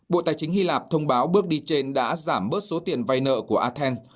bộ tài chính hy lạp thông báo bước đi trên đã giảm bớt số tiền vay nợ của athens